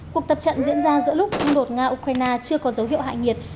cuộc tập trận diễn ra giữa lúc xung đột nga ukraine chưa có dấu hiệu hại nhiệt